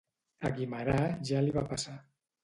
A Guimerà ja li va passar.